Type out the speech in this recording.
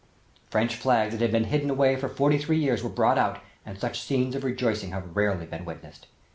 French flags that had been hidden away for forty three years were brought out and such scenes of rejoicing have rarely been witnessed.